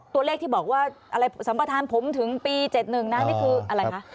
ตัวเลขที่บอกว่าอะไรสัมประธานผมถึงปี๗๑นะนี่คืออะไรคะ